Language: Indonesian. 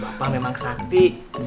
bapak memang kesakti